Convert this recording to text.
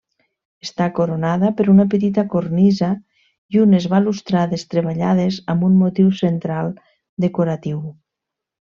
Està coronada per una petita cornisa i unes balustrades treballades amb un motiu central decoratiu.